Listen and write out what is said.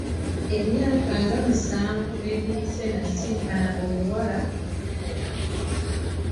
Emyaka nga musanvu egiyise, nasisinkana oluwala lu Norah.